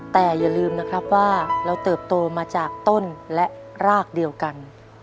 แต่อย่าลืมนะครับว่าเราเติบโตมาจากต้นและรากเดียวกัน